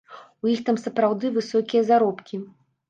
У іх там сапраўды высокія заробкі.